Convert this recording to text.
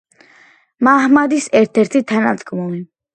მაჰმადის ერთ-ერთი თანამდგომი.